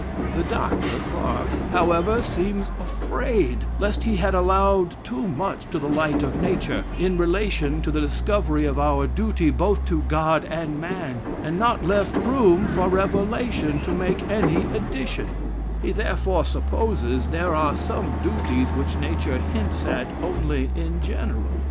The Dr. (Clark) however, seems afraid, lest he had allowed too much to the light of nature, in relation to the discovery of our duty both to God and man; and not left room for revelation to make any addition; he therefore supposes, 'there are some duties, which nature hints at only in general.'